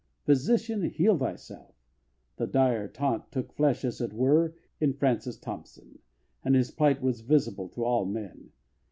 "Physician, heal thyself": the dire taunt took flesh, as it were, in Francis Thompson, and his plight was visible to all men.